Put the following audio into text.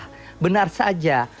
wah benar saja